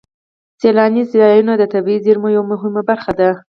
سیلاني ځایونه د طبیعي زیرمو یوه مهمه برخه ده.